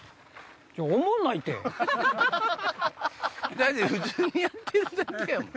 だって普通にやってるだけやもん。